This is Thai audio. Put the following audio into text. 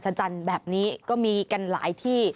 จันทร์แบบนี้ก็มีกันหลายที่